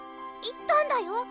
いったんだよ。